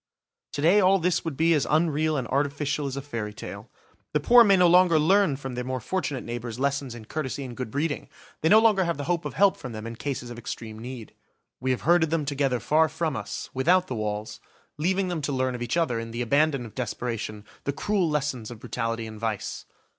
To day all this would be as unreal and artificial as a fairy tale. The poor may no longer learn from their more fortunate neighbours lessons in courtesy and good breeding, they no longer have the hope of help from them in cases of extreme need. We have herded them together far from us, without the walls, leaving them to learn of each other, in the abandon of desperation, the cruel lessons of brutality and vice.